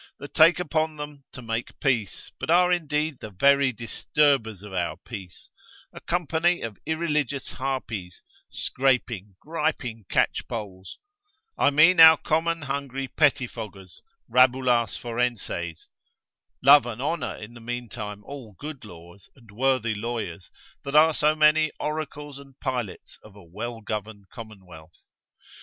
that take upon them to make peace, but are indeed the very disturbers of our peace, a company of irreligious harpies, scraping, griping catchpoles, (I mean our common hungry pettifoggers, rabulas forenses, love and honour in the meantime all good laws, and worthy lawyers, that are so many oracles and pilots of a well governed commonwealth).